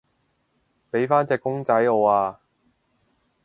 畀返隻公仔我啊